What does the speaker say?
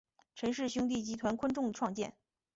陈氏兄弟集团昆仲创建。